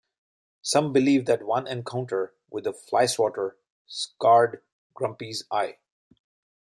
Some believe that one encounter with the "flyswatter" scarred Grumpy's eye.